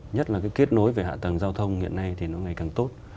nhất là cái kết nối về hạ tầng giao thông hiện nay thì nó ngày càng tốt